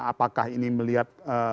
apakah ini melihat